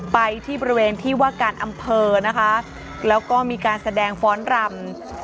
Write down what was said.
ไปที่บริเวณที่ว่าการอำเภอนะคะแล้วก็มีการแสดงฟ้อนรำ